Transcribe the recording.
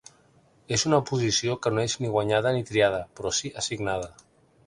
És una posició que no és ni guanyada ni triada però sí assignada.